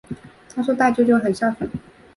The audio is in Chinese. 她说大舅舅很孝顺